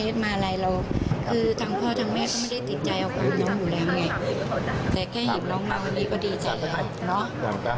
แต่แค่หีบน้องสมนตรีก็ดีใจเลยนะ